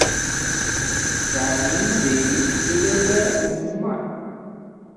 سامی دەیویست ببێتە موسڵمان.